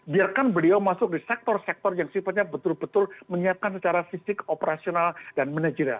biarkan beliau masuk di sektor sektor yang sifatnya betul betul menyiapkan secara fisik operasional dan manajer